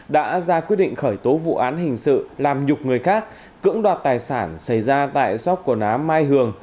đã ra quyết định khởi tố vụ án hình sự làm nhục người khác cưỡng đoạt tài sản xảy ra tại sóc quần áo mai hường